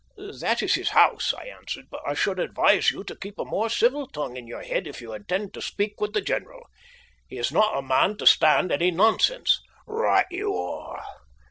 "That is his house," I answered; "but I should advise you to keep a more civil tongue in your head if you intend to speak with the general. He is not a man to stand any nonsense." "Right you are.